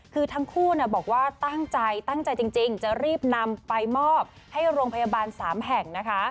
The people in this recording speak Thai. คือทั้งคู่บอกว่าตั้งใจตั้งใจจริงจะรีบนำไปมอบให้โรงพยาบาล๓แห่งนะคะ